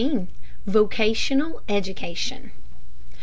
VOCATIONAL EDUCATION.